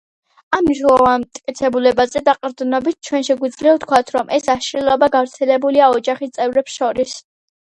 ამ მნიშვნელოვან მტკიცებულებებზე დაყრდნობით ჩვენ შეგვიძლია ვთქვათ, რომ ეს აშლილობა გავრცელებულია ოჯახის წევრებს შორის.